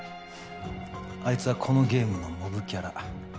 あいつはこのゲームのモブキャラ。